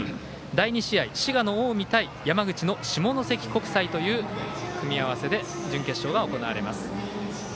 第２試合、滋賀、近江対山口の下関国際という組み合わせで準決勝が行われます。